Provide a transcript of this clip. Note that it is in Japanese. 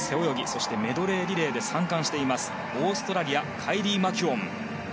そしてメドレーリレーで３冠しているオーストラリアカイリー・マキュオン。